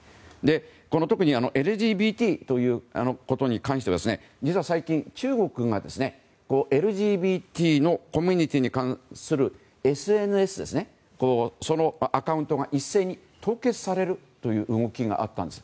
特にＬＧＢＴということに関しては実は最近、中国がＬＧＢＴのコミュニティーに関するＳＮＳのアカウントが一斉に凍結される動きがあったんです。